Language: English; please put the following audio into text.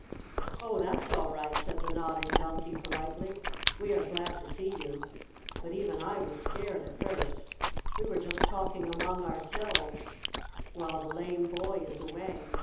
"Oh, that's all right," said the Nodding Donkey politely. "We are glad to see you. But even I was scared, at first. We were just talking among ourselves while the lame boy is away.